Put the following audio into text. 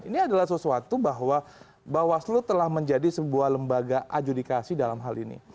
ini adalah sesuatu bahwa bawaslu telah menjadi sebuah lembaga adjudikasi dalam hal ini